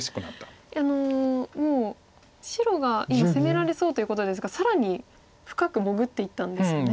あのもう白が今攻められそうということですが更に深く潜っていったんですよね。